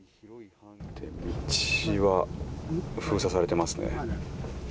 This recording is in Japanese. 道は封鎖されてますね。